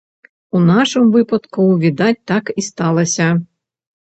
У нашым выпадку, відаць, так і сталася.